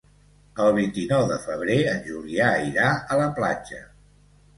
El vint-i-nou de febrer en Julià irà a la platja.